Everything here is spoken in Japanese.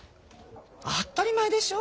あったり前でしょ？